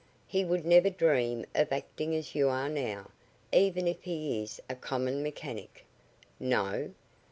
"He would never dream of acting as you are now, even if he is a common mechanic." "No?"